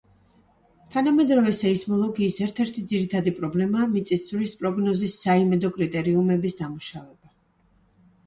თანამედროვე სეისმოლოგიის ერთ-ერთი ძირითადი პრობლემაა მიწისძვრის პროგნოზის საიმედო კრიტერიუმების დამუშავება.